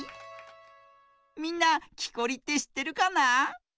みんなきこりってしってるかな？